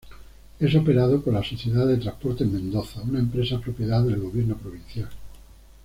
Es operado por la Sociedad de Transporte Mendoza, una empresa propiedad del gobierno provincial.